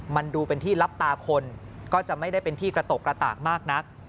มันดูเป็นที่รับตาคนก็จะไม่ได้เป็นที่กระตกกระตากมากนัก